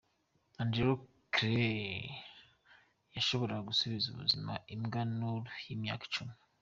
Andrew Klein yarashoboye gusubiza ubuzima imbwa Nalu y'imyaka cumi.